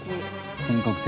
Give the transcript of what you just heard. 本格的。